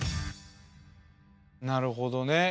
なるほどね。